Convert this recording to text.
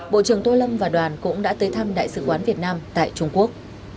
bộ trưởng tô lâm và đoàn cũng đã tới thăm đại sứ quán việt nam tại trung quốc